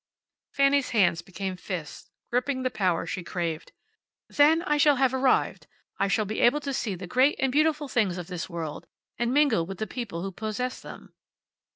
Fanny's hands became fists, gripping the power she craved. "Then I shall have arrived. I shall be able to see the great and beautiful things of this world, and mingle with the people who possess them."